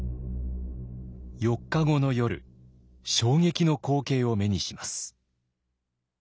４日後の夜衝撃の光景を目にします。